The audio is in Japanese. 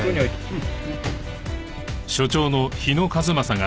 うん。